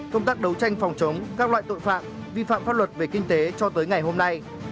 công tác đấu tranh phòng chống các loại tội phạm vi phạm pháp luật về kinh tế cho tới ngày hôm nay